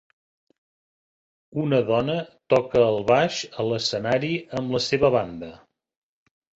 Una dona toca el baix a l'escenari amb la seva banda.